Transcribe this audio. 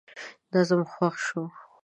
نظم خوښ شو.